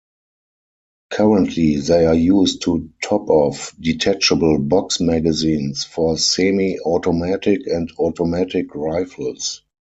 Currently they are used to top-off detachable box magazines for semi-automatic and automatic rifles.